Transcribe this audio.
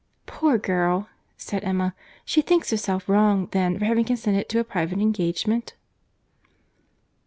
"Poor girl!" said Emma. "She thinks herself wrong, then, for having consented to a private engagement?"